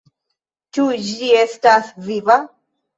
Ĉu ĝi estas viva?